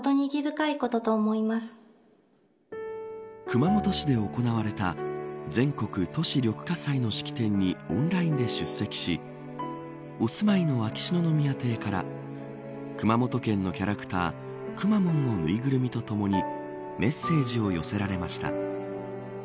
熊本市で行われた全国都市緑化祭の式典にオンラインで出席しお住まいの秋篠宮邸から熊本県のキャラクターくまモンのぬいぐるみとともにメッセージを寄せられました。